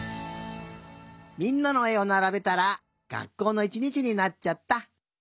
みんなのえをならべたらがっこうのいちにちになっちゃった！